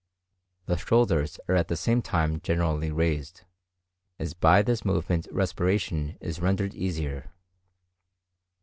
The shoulders are at the same time generally raised, as by this movement respiration is rendered easier.